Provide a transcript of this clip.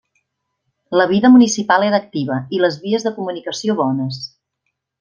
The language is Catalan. La vida municipal era activa i les vies de comunicació bones.